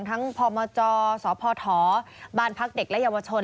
พมจสพบ้านพักเด็กและเยาวชน